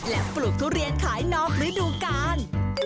และปลูกทุเรียนขายนอกฤดูกาล